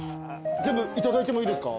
全部頂いてもいいですか？